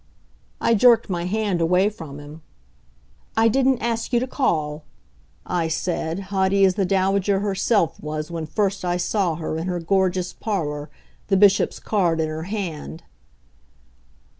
I jerked my hand away from him. "I didn't ask you to call," I said, haughty as the Dowager herself was when first I saw her in her gorgeous parlor, the Bishop's card in her hand.